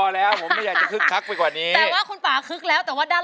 ร้องได้ให้ร้าน